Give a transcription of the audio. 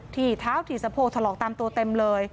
ที่เท้าที่สะโพกถลอกตามตัวเต็มเลย